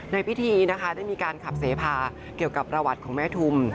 ในพิธีนะคะได้มีการขับเสพาเกี่ยวกับประวัติของแม่ทุม